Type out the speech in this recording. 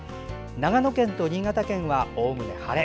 長野県と新潟県は、おおむね晴れ。